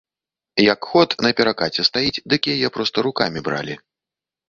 Як ход, на перакаце стаіць, дык яе проста рукамі бралі.